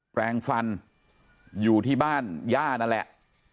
แปลงฟันอยู่ที่บ้านย่านั่นแหละ